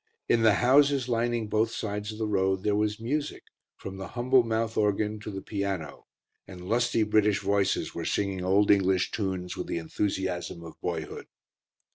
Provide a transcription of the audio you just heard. In the houses, lining both sides of the road, there was music, from the humble mouth organ to the piano, and lusty British voices were singing old English tunes with the enthusiasm of boyhood.